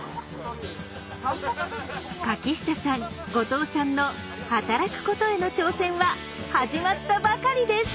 柿下さん後藤さんの働くことへの挑戦は始まったばかりです。